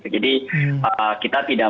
jadi kita tidak